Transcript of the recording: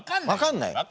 分かんない？